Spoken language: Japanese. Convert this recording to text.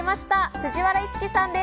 藤原樹さんです。